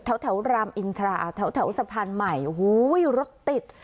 แถวรามอินทราแถวสะพานใหม่โอ้โหรถติด